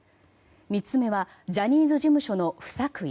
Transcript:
３つ目はジャニーズ事務所の不作為。